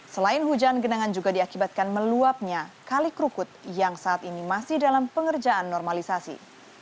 selain hujan genangan juga diakibatkan meluapnya kali kerukut yang saat ini masih dalam pengerjaan normalisasi